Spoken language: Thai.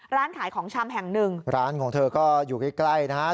ร้านขายของชำแห่งหนึ่งร้านของเธอก็อยู่ใกล้ใกล้นะฮะ